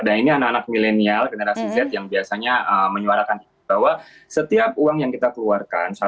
dan ini anak anak milenial generasi z yang biasanya menyuarakan bahwa setiap uang yang kita keluarkan